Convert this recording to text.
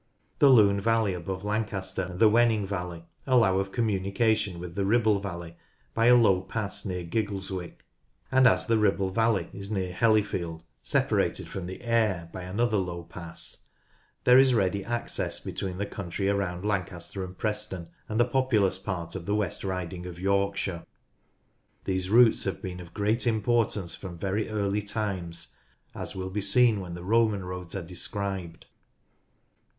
The Lune valley above Lancaster and the Wenning valley allow of communication with the Ribble valley by a low pass near Giggleswick, and as the Ribble valley is near Hellifield separated from the Aire by another low pass, there is ready access between the country around Lancaster and Preston and the populous part of the West Riding of Yorkshire. These routes have been of great importance from very early times, as will be seen when the Roman roads are described.